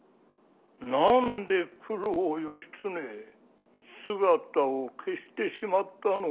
何で九郎義経姿を消してしまったのかの。